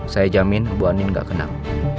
saya jamin bu andin gak kenal